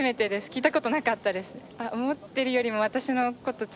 聞いた事なかったです。